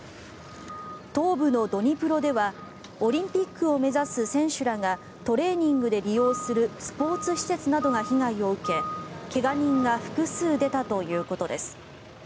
東部のドニプロではオリンピックを目指す選手らがトレーニングで利用するスポーツ施設などが被害を受け怪我人が複数出たということです。